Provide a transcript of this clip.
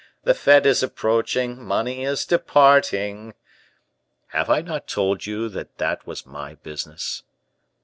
The fete is approaching; money is departing." "Have I not told you that was my business?"